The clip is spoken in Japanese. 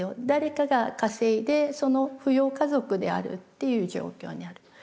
誰かが稼いでその扶養家族であるっていう状況にある。